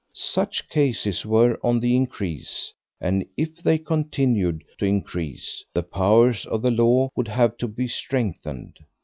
Such cases were on the increase, and if they continued to increase, the powers of the law would have to be strengthened.